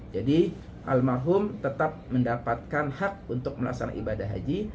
jadi almarhum tetap mendapatkan hak untuk melaksanakan ibadah haji